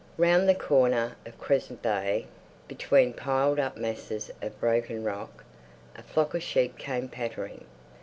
Round the corner of Crescent Bay, between the piled up masses of broken rock, a flock of sheep came pattering.